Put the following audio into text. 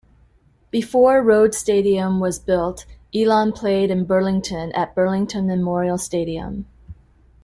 Before Rhodes Stadium was built Elon played in Burlington at Burlington Memorial Stadium.